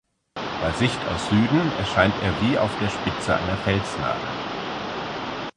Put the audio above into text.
Bei Sicht aus Süden erscheint er wie auf der Spitze einer Felsnadel.